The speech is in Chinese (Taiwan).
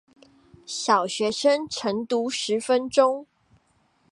小學生晨讀十分鐘